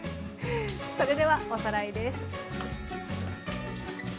それではおさらいです。